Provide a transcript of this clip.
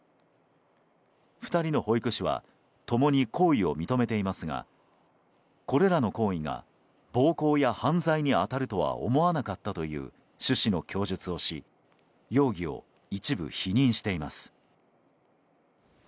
２人の保育士は共に行為を認めていますがこれらの行為が暴行や犯罪に当たるとは思わなかったという趣旨の供述をし容疑を一部否認しています。